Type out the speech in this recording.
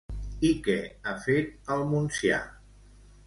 I què ha fet al Monstià?